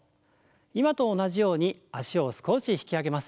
今と同じように脚を少し引き上げます。